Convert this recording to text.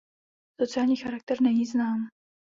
Sociální charakter není znám.